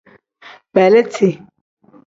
Beeliti.